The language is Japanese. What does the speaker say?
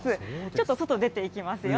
ちょっと外、出ていきますよ。